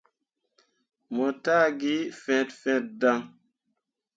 Mo taa gi fet fet dan.